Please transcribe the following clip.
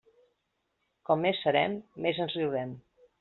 Com més serem, més ens riurem.